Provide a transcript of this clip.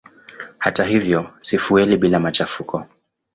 Hata hivyo si fueli bila machafuko.